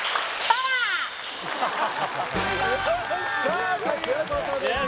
さあということでですね